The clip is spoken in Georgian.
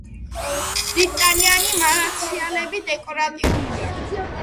დიდტანიანი მარაციალეები დეკორატიულია.